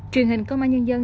truyền hình công an nhân dân